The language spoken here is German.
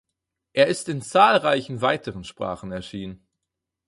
Er ist in zahlreichen weiteren Sprachen erschienen.